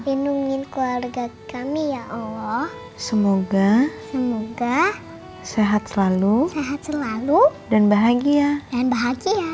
lindungi keluarga kami ya allah